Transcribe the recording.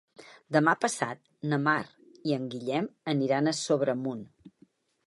Demà passat na Mar i en Guillem aniran a Sobremunt.